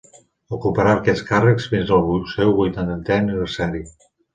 Ocuparà aquests càrrecs fins al seu vuitantè aniversari.